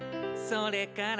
「それから」